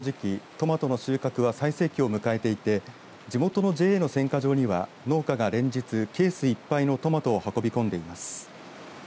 この時期、トマトの収穫は最盛期を迎えていて地元のＪＡの選果場には農家が連日ケースいっぱいのトマトを運び込んでいます。